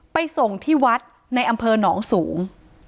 ไปส่งที่วัดในอำเภอหนองสูง